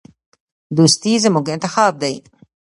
دوستي زموږ انتخاب دی.